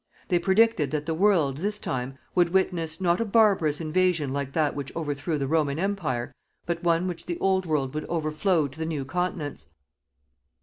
They predicted that the World, this time, would witness, not a barbarous invasion like that which overthrew the Roman Empire, but one which the Old World would overflow to the New Continents.